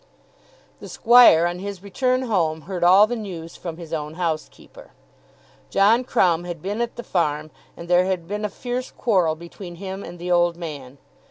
The squire on his return home heard all the news from his own housekeeper. John Crumb had been at the farm and there had been a fierce quarrel between him and the old man.